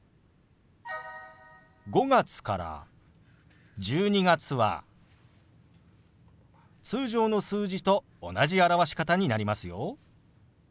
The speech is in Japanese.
５月から１２月は通常の数字と同じ表し方になりますよ。